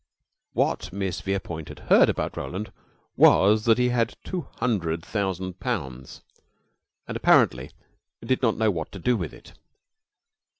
What Miss Verepoint had heard about Roland was that he had two hundred thousand pounds and apparently did not know what to do with it.